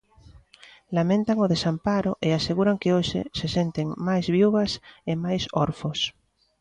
Lamentan o desamparo e aseguran que hoxe se senten máis viúvas e máis orfos.